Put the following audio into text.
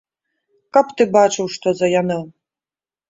Каб ты бачыў, што за яна!